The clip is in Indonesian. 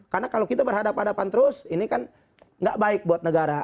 karena kalau kita berhadapan hadapan terus ini kan nggak baik buat negara